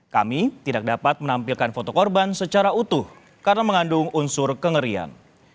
kami tidak dapat menampilkan foto korban secara utuh karena mengandung unsur kengerian